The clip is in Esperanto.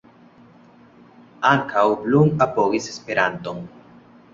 Ankaŭ Blum apogis Esperanton.